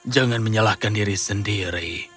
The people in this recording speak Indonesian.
jangan menyalahkan diri sendiri